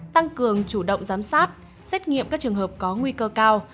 tăng cường chủ động giám sát xét nghiệm các trường hợp có nguy cơ cao